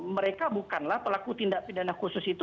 mereka bukanlah pelaku tindak pidana khusus itu